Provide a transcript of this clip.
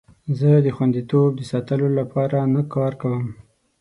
زه د خوندیتوب د ساتلو لپاره نه کار کوم.